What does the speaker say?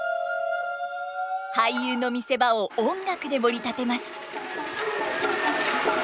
俳優の見せ場を音楽でもり立てます。